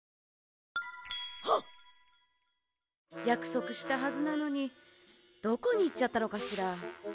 やくそくしたはずなのにどこにいっちゃったのかしら？